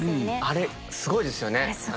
あれすごいですよね。